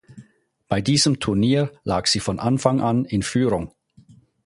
Bei diesem Turnier lag sie von Anfang an in Führung.